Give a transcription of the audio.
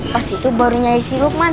kas itu baru nyari si lukman